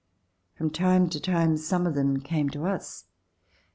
From time to time some of them came to us.